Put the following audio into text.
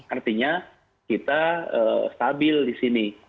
artinya kita stabil di sini